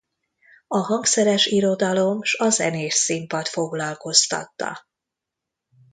A hangszeres irodalom s a zenés színpad foglalkoztatta.